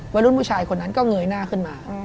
วัยรุ่นผู้ชายคนนั้นก็เงยหน้าขึ้นมา